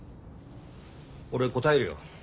俺答えるよ。